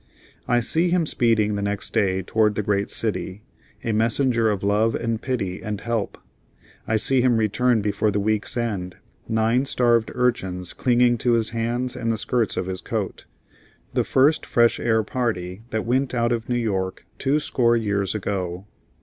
I see him speeding the next day toward the great city, a messenger of love and pity and help. I see him return before the week's end, nine starved urchins clinging to his hands and the skirts of his coat, the first Fresh Air party that went out of New York twoscore years ago.